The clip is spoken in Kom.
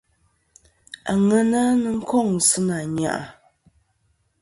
Àŋena nɨn kôŋ sɨ nà yɨ-a.